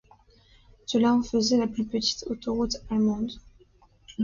Cela en faisait la plus petite autoroute allemande.